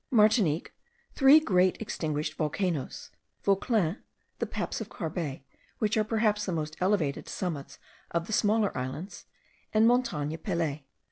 Martinique, three great extinguished volcanoes; Vauclin, the Paps of Carbet, which are perhaps the most elevated summits of the smaller islands, and Montagne Pelee.